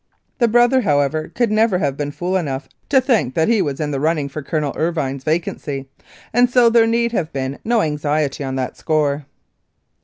The brother, however, could never have been fool enough to think that he was 32 1886 88. Regina in the mining for Colonel Irvine's vacancy, and so there need have been no anxiety on that score.